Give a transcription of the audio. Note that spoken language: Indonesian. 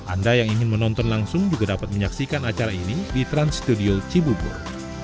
anda yang ingin menonton langsung juga dapat menyaksikan acara ini di trans studio cibubur